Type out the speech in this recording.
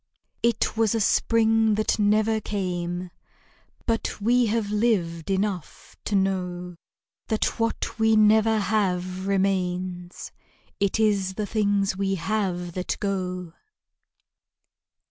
It was a spring that never came; But we have lived enough to know That what we never have, remains; It is the things we have that go.